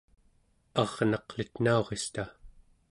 arnaq elitnaurista